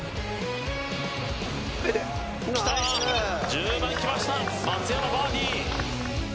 １０番きました、松山バーディー。